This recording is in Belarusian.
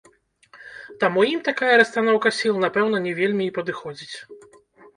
Таму ім такая расстаноўка сіл, напэўна, не вельмі і падыходзіць.